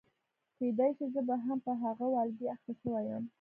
کېدای شي زه به هم په هغه والګي اخته شوې یم.